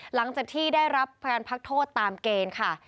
หลังจากที่ได้รับการพักโทษตามเกณฑ์ค่ะ